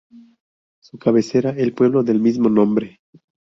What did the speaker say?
Su cabecera el pueblo del mismo nombre.